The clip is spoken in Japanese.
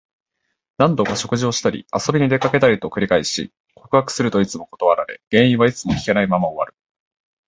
何度か食事をしたり、遊びに出かけたりを繰り返し、告白するといつも断られ、原因はいつも聞けないまま終わる。